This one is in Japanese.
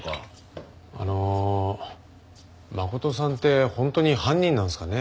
あの真琴さんって本当に犯人なんですかね？